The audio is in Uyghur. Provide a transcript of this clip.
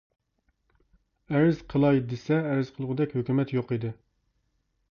ئەرز قىلاي دېسە ئەرز قىلغۇدەك ھۆكۈمەت يوق ئىدى.